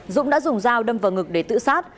dũng đã dùng dao đâm vào ngực để tự sát